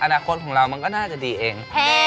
อนาคตของเรามันก็น่าจะดีเอง